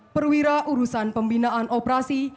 perwira urusan pembinaan operasi